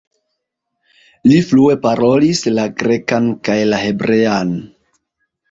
Li flue parolis la grekan kaj la hebrean.